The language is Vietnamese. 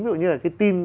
ví dụ như là cái tin